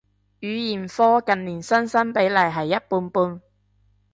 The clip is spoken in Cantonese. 語言科近年新生比例係一半半